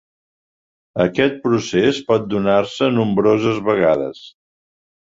Aquest procés pot donar-se nombroses vegades.